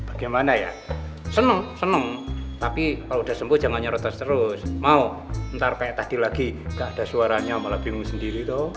bagaimana ya seneng seneng tapi kalau sudah sembuh jangan nyorotes terus mau ntar kayak tadi lagi gak ada suaranya malah bingung sendiri tuh